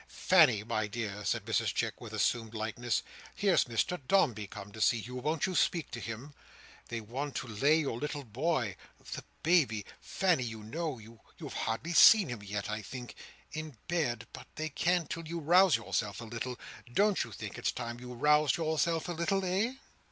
"Fanny, my dear," said Mrs Chick, with assumed lightness, "here's Mr Dombey come to see you. Won't you speak to him? They want to lay your little boy—the baby, Fanny, you know; you have hardly seen him yet, I think—in bed; but they can't till you rouse yourself a little. Don't you think it's time you roused yourself a little? Eh?"